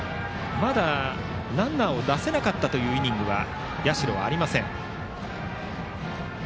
ランナーを出せなかったというイニングは社はありません。